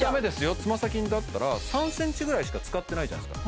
爪先だったら３ｃｍぐらいしか使ってないじゃないですか